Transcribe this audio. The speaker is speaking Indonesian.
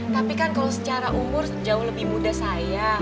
tapi kan kalau secara umur jauh lebih muda saya